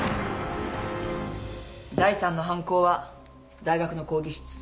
第３の犯行は大学の講義室。